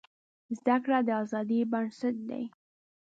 زده کړه د ازادۍ بنسټ دی.